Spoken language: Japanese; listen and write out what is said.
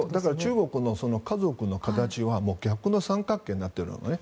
中国の家族の形は逆の三角形になってるんですね。